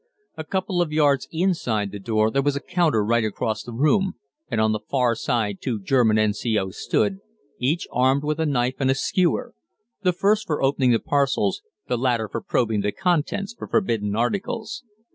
A couple of yards inside the door there was a counter right across the room, and on the far side two German N.C.O.'s stood, each armed with a knife and a skewer the first for opening the parcels, the latter for probing the contents for forbidden articles.